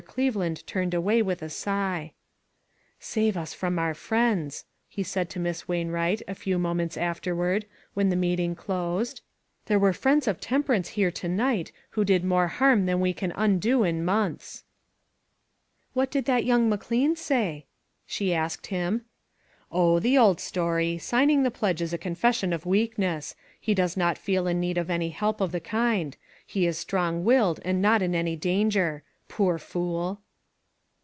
Cleveland turned away with a sigh. " Save us from our friends," he said to Miss Wainwright, a few moments afterward, when the meeting closed. " There were friends of temperance here to night who did more harm than we can undo in months." 41 8 ONE COMMONPLACE DAY. " What did that young McLean say ?" she asked him. " Oh ! the old story. Signing the pledge is a confession of weakness. He does not feel in need of any help of the kind ; he is strong willed and not in any danger. Poor fool!"